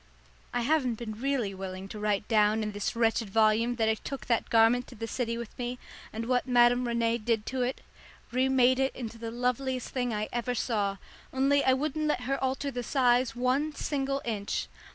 I haven't been really willing before to write down in this wretched volume that I took that garment to the city with me and what Madame Rene did to it remade it into the loveliest thing I ever saw, only I wouldn't let her alter the size one single inch.